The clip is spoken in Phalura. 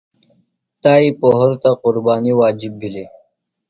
تائی پہُرتہ قربانیۡ واجب بِھلیۡ۔